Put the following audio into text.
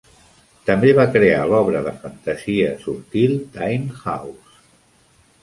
També va crear l'obra de fantasia subtil "Timehouse".